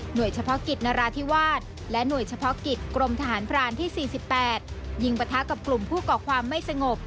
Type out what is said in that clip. โดยเฉพาะกิจนราธิวาสและหน่วยเฉพาะกิจกรมทหารพรานที่๔๘ยิงปะทะกับกลุ่มผู้ก่อความไม่สงบ